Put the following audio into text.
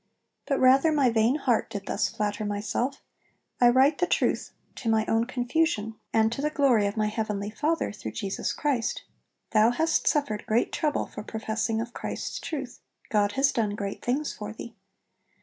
But rather my vain heart did thus flatter myself, (I write the truth to my own confusion, and to the glory of my heavenly Father, through Jesus Christ), 'Thou hast suffered great trouble for professing of Christ's truth; God has done great things for thee.'...